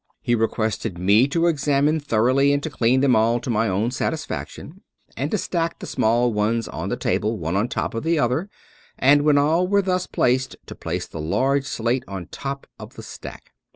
He requested me to examine thoroughly or to clean them all to my own satisfaction, and to stack the small ones on the table, one on top of the other ; and when all were thus placed, to place the large slate on top of the stack.